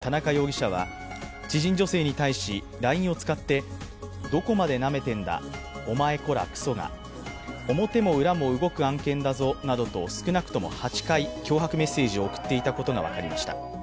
その後の警察への取材で田中容疑者は、知人女性に対し、ＬＩＮＥを使ってどこまでなめてんだ、お前コラ、クソが、表も裏も動く案件だぞなどと少なくとも８回、脅迫メッセージを送っていたことが分かりました。